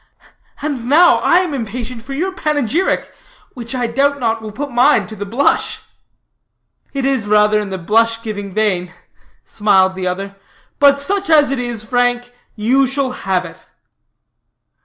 And now I am impatient for your panegyric, which, I doubt not, will put mine to the blush." "It is rather in the blush giving vein," smiled the other; "but such as it is, Frank, you shall have it."